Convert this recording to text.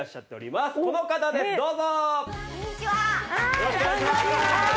よろしくお願いします。